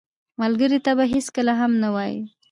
ملګری ته به هېڅکله هم نه وایې